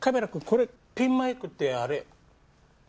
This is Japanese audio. これピンマイクってあれこれ？